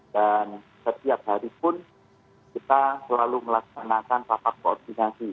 dan setiap haripun kita selalu melaksanakan sapa koordinasi